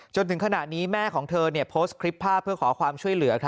จนถึงขณะนี้แม่ของเธอโพสต์คลิปภาพเพื่อขอความช่วยเหลือ